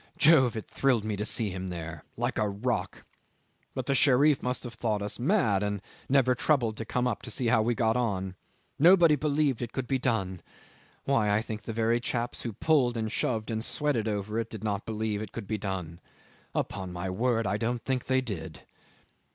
Jove! It thrilled me to see him there like a rock. But the Sherif must have thought us mad, and never troubled to come and see how we got on. Nobody believed it could be done. Why! I think the very chaps who pulled and shoved and sweated over it did not believe it could be done! Upon my word I don't think they did.